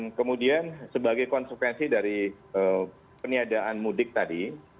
dan kemudian sebagai konsekuensi dari peniadaan mudik tadi